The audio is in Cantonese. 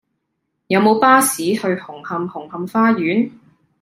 有無巴士去紅磡紅磡花園